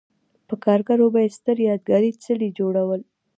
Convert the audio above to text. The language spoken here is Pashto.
په کارګرو به یې ستر یادګاري څلي جوړول.